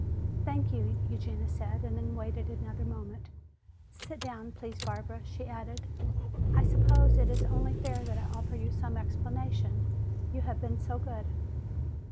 "Thank you," Eugenia said, and then waited another moment. "Sit down, please, Barbara," she added. "I suppose it is only fair that I offer you some explanation. You have been so good."